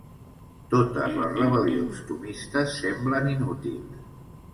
Totes les rebel·lions tomistes semblen inútils.